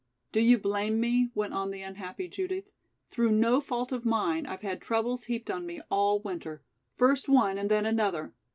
"Do you blame me?" went on the unhappy Judith. "Through no fault of mine I've had troubles heaped on me all winter first one and then another.